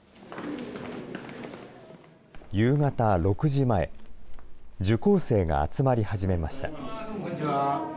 夕方６時前、受講生が集まり始めました。